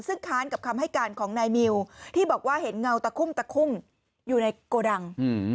ซึ่งค้านกับคำให้การของนายมิวที่บอกว่าเห็นเงาตะคุ่มตะคุ่มอยู่ในโกดัง